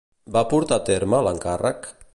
Va portar a terme l'encàrrec?